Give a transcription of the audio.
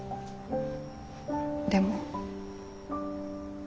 でも。